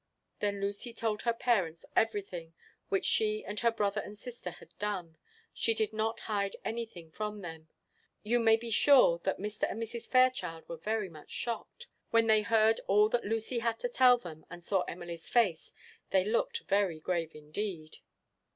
Then Lucy told her parents everything which she and her brother and sister had done; she did not hide anything from them. You may be sure that Mr. and Mrs. Fairchild were very much shocked. When they heard all that Lucy had to tell them, and saw Emily's face, they looked very grave indeed.